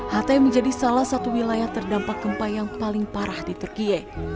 hatai menjadi salah satu wilayah terdampak gempa yang paling parah di turkiye